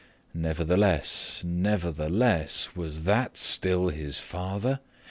Nevertheless, nevertheless, was that still his father?